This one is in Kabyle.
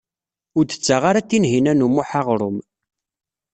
Ur d-tettaɣ ara Tinhinan u Muḥ aɣṛum.